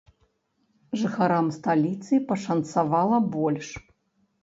Жыхарам сталіцы пашанцавала больш.